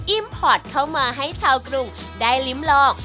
พอร์ตเข้ามาให้ชาวกรุงได้ลิ้มลอง